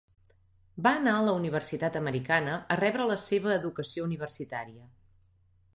Va anar a la Universitat Americana a rebre la seva educació universitària.